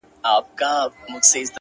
هلئ ځغلئ چي هلاک نه شئ يارانو;